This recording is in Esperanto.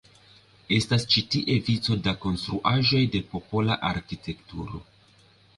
Estas ĉi tie vico da konstruaĵoj de popola arkitekturo.